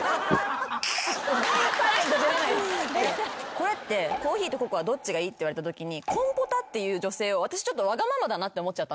これって「コーヒーとココアどっちがいい？」って言われたときに「コンポタ」って言う女性は私ちょっとわがままだなって思っちゃったんですよ。